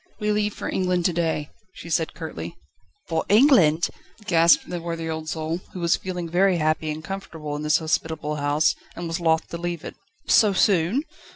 "We leave for England to day", she said curtly. "For England?" gasped the worthy old soul, who was feeling very happy and comfortable in this hospitable house, and was loth to leave it. "So soon?"